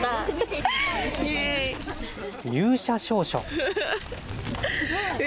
入社証書。